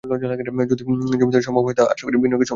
যদি জমি দেওয়া সম্ভব হয়, আশা করি বিনিয়োগের সমস্যার সমাধান হবে।